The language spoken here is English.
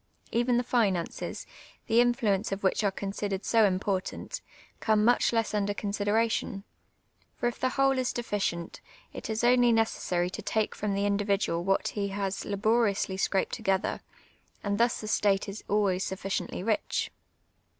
Even the limmces, the influence of which are considered so important, come much less mider considenition ; for if the whole is deficient, it is only neces sar} to take from the individual what he has laboriously scrajii'd together, and thus the state is always sufficiently rich.